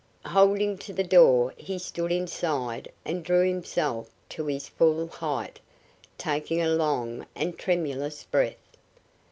Holding to the door he stood inside and drew himself to his full height, taking a long and tremulous breath.